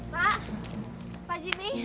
pak pak jimmy